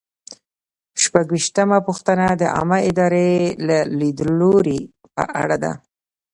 شپږویشتمه پوښتنه د عامه ادارې د لیدلوري په اړه ده.